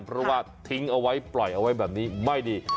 เพราะว่าทิ้งเอาไว้ปล่อยเอาไว้แบบนี้ไม่ดี